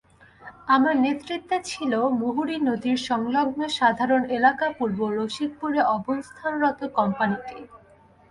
আমার নেতৃত্বে ছিল মুহুরী নদীর সংলগ্ন সাধারণ এলাকা পূর্ব রশিকপুরে অবস্থানরত কোম্পানিটি।